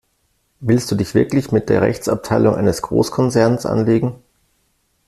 Willst du dich wirklich mit der Rechtsabteilung eines Großkonzerns anlegen?